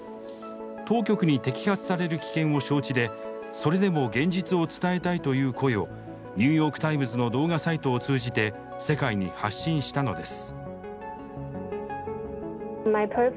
当局に摘発される危険を承知でそれでも現実を伝えたいという声をニューヨーク・タイムズの動画サイトを通じて世界に発信したのです。